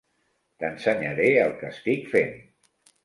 T'ensenyaré el que estic fent.